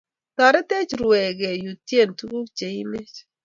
Toritech ruee keyutyen tuguk che imech .